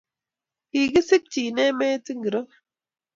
Kikisikchin emet ing ngoro?